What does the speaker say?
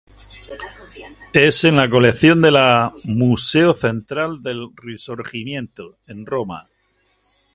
Es en la colección de la Museo Central del Risorgimento, en Roma.